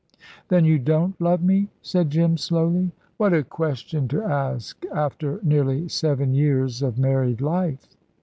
"Then you don't love me?" said Jim, slowly. "What a question to ask after nearly seven years of married life."